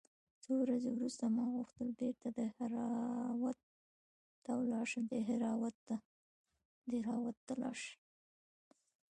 څو ورځې وروسته ما غوښتل بېرته دهراوت ته ولاړ سم.